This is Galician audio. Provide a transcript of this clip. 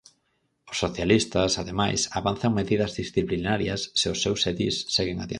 Os socialistas, ademais, avanzan medidas disciplinarias se os seus edís seguen adiante.